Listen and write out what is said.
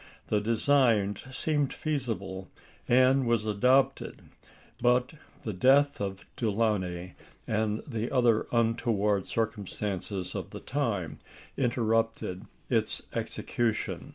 The design seemed feasible, and was adopted; but the death of Delaunay and the other untoward circumstances of the time interrupted its execution.